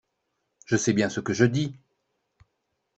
Je sais bien ce que je dis.